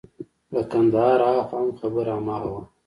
له کندهاره هاخوا هم خبره هماغه وه.